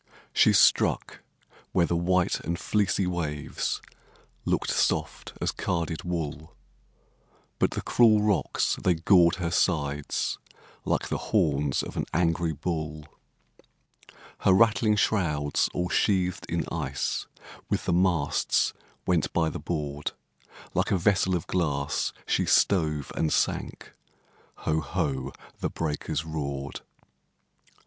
She struck where the white and fleecy waves Look'd soft as carded wool, But the cruel rocks, they gored her sides Like the horns of an angry bull. Her rattling shrouds, all sheathed in ice, With the masts went by the board; Like a vessel of glass, she stove and sank, Ho! ho! the breakers roared!